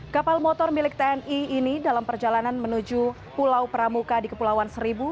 kapal motor milik tni ini dalam perjalanan menuju pulau pramuka di kepulauan seribu